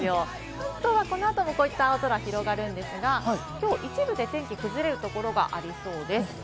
関東は、この後もこういった青空が広がるんですが、今日一部で天気が崩れるところがありそうです。